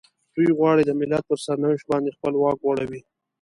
دوی غواړي د ملت پر سرنوشت باندې خپل واک وغوړوي.